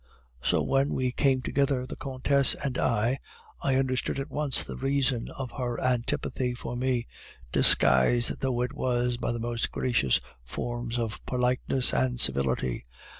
So when we came together, the Countess and I, I understood at once the reason of her antipathy for me, disguised though it was by the most gracious forms of politeness and civility.